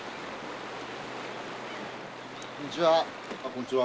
こんにちは。